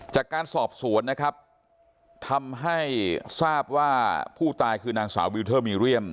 จากการสอบสวนนะครับทำให้ทราบว่าผู้ตายคือนางสาววิวเทอร์มีเรียม